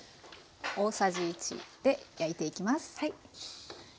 大さじ１で焼いていきます。